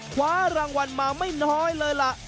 คว้ารางวัลมาไม่น้อยเลยล่ะ